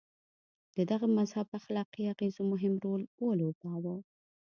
د دغه مذهب اخلاقي اغېزو مهم رول ولوباوه.